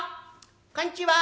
こんちは！